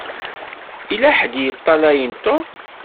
Yella ḥedd i yeṭṭalayen Tom.